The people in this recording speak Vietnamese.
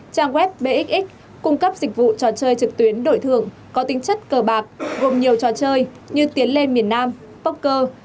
trang web bxx cung cấp dịch vụ trò chơi trực tuyến đổi thường có tính chất cờ bạc gồm nhiều trò chơi như tiến lên miền nam poker